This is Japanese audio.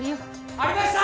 ありました！